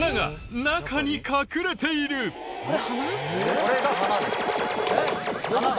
・これが花です。